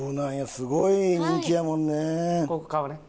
すごい人気やもんね。